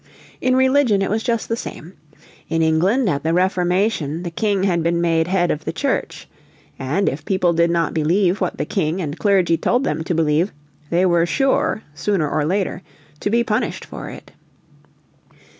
In religion it was just the same. In England at the Reformation the King had been made head of the Church. And if people did not believe what the King and Clergy told them to believe they were sure, sooner or later, to be punished for it.